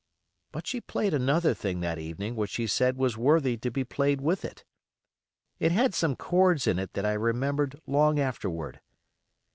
But she played another thing that evening which she said was worthy to be played with it. It had some chords in it that I remembered long afterward.